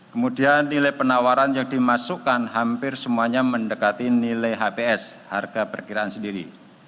kemudian nilai penawaran yang dimasukkan hampir semuanya mendekati nilai hps harga perkiraan sendiri